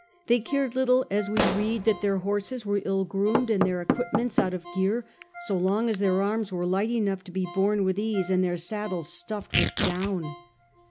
They cared little, as we read, that their horses were ill groomed and their equipments out of gear, so long as their arms were light enough to be borne with ease, and their saddles stuffed with down.